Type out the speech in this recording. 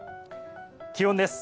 気温です。